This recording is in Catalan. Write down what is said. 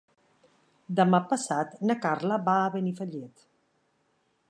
Demà passat na Carla va a Benifallet.